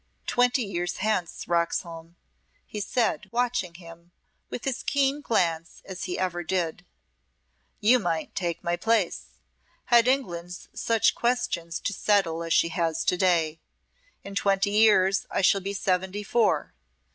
"Twenty years hence, Roxholm," he said, watching him with his keen glance as he ever did, "you might take my place, had England such questions to settle as she has to day. In twenty years I shall be seventy four.